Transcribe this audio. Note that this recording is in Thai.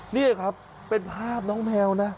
นี่ครับเป็นภาพน้องแมวนะ